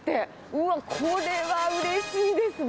うわっ、これはうれしいですね。